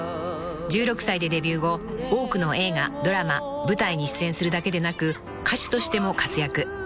［１６歳でデビュー後多くの映画ドラマ舞台に出演するだけでなく歌手としても活躍］